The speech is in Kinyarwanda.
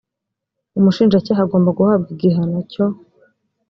umushinjacyaha agomba guhabwa igihano cyo